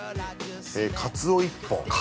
◆カツオ１本。